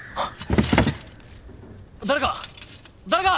誰か誰か！